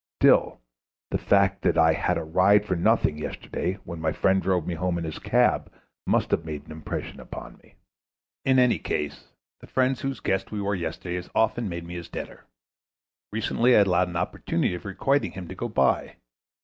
Still, the fact that I had a ride for nothing yesterday when my friend drove me home in his cab must have made an impression upon me. In any case, the friend whose guests we were yesterday has often made me his debtor. Recently I allowed an opportunity of requiting him to go by.